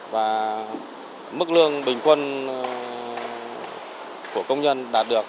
và mức lương bình quân của công nhân đạt được